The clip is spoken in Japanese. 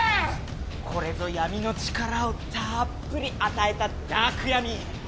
これぞ闇の力をたっぷり与えたダークヤミー！